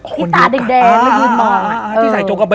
ที่ตาแดงมายืนมอง